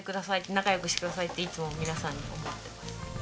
仲良くしてくださいっていつも皆さんに思ってます。